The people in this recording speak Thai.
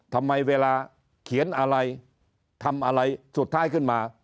ทำไมเวลาเขียนอะไรทำอะไรสุดท้ายขึ้นมา